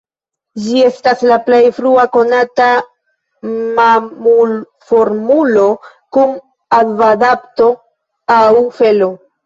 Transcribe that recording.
Ĝi estas la plej frua konata mamulformulo kun akvadapto aŭ felo.